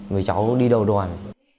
vì cháu đi đâu đoàn